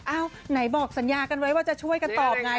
ไหนบอกสัญญากันไว้ว่าจะช่วยกันตอบไง